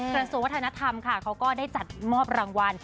กระทรวงวัฒนธรรมค่ะเขาก็ได้จัดมอบรางวัล